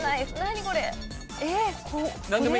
何これ？